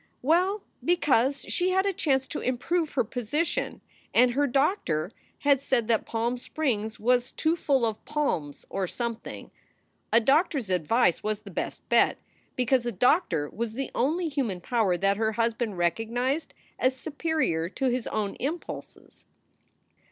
Well, because she had a chance to improve her position and her doctor had said that Palm Springs was too full of 2o6 SOULS FOR SALE palms or something. A doctor s advice was the best bet, because a doctor was the only human power that her husband recognized as superior to his own impulses.